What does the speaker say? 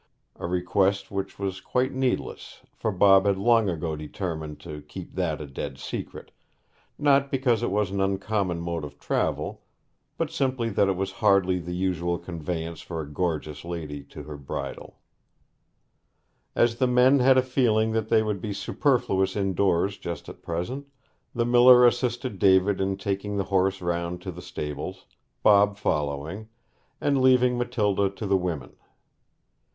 a request which was quite needless, for Bob had long ago determined to keep that a dead secret; not because it was an uncommon mode of travel, but simply that it was hardly the usual conveyance for a gorgeous lady to her bridal. As the men had a feeling that they would be superfluous indoors just at present, the miller assisted David in taking the horse round to the stables, Bob following, and leaving Matilda to the women.